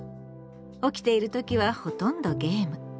起きている時はほとんどゲーム。